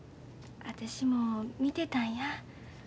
私も見てたんや。